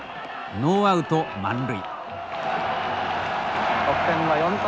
ノーアウト満塁。